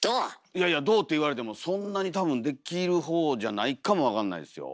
いやいやどうって言われてもそんなに多分できるほうじゃないかもわかんないですよ。